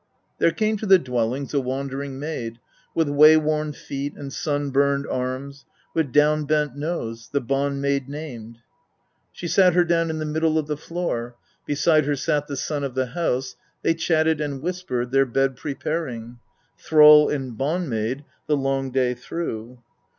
7. There came to the dwellings a wandering maid, with wayworn feet, and sunburned arms, with down bent nose, the Bond maid named. . 8. She sat her down in the middle of the floor ; beside her sat the son of the house : they chatted and whispered, their bed preparing Thrall and Bond maid the long day through.